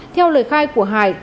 theo lời khai của hải